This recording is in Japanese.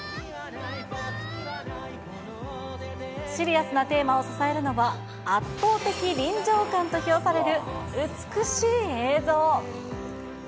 シリアスなテーマを支えるのは、圧倒的臨場感と評される、美しい映像。